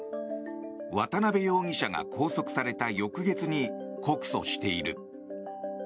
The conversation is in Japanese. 渡邉容疑者が拘束された翌月に告訴している。